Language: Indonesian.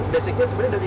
basicnya sebenarnya dari